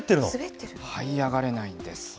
はい上がれないんです。